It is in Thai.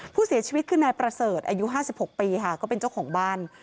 ผู้เสียชีวิตคือนายประเสริฐอายุ๕๖ปีค่ะก็เป็นเจ้าของบ้าน